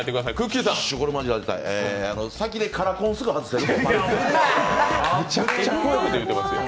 先でカラコン、すぐ外せる？